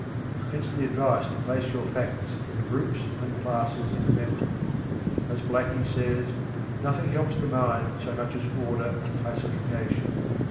Hence the advice to place your facts in groups and classes in the memory. As Blackie says: "Nothing helps the mind so much as order and classification.